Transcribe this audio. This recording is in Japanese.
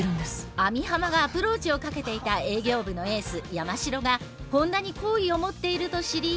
網浜がアプローチをかけていた営業部のエース山城が本田に好意を持っていると知り。